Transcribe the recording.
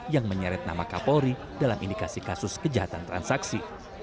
yang menyeret nama kapolri dalam indikasi kasus kejahatan transaksi